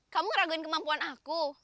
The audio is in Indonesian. kamu ngeraguin kemampuan aku